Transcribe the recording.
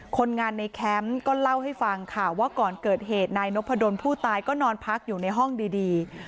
คนงานในแคมป์ก็เล่าให้ฟังค่ะว่าก่อนเกิดเหตุนายนพดลผู้ตายก็นอนพักอยู่ในห้องดี